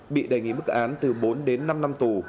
bị đề nghị mức án từ bốn đến năm năm tù